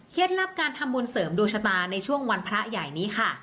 ลับการทำบุญเสริมดวงชะตาในช่วงวันพระใหญ่นี้ค่ะ